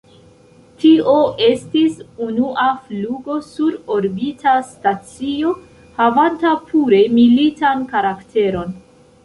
Tio estis unua flugo sur orbita stacio, havanta pure militan karakteron.